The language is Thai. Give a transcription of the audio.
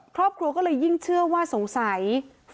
ครอบครัวก็เลยยิ่งเชื่อว่าสงสัยก็ไม่ใช่